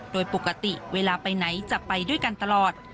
โดยปกติเวลาไปไหนจะไปด้วยกันตลอด